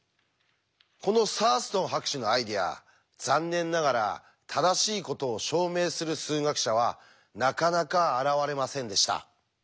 このサーストン博士のアイデア残念ながら正しいことを証明する数学者はなかなか現れませんでした。